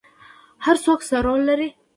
هر څوک څه رول لري؟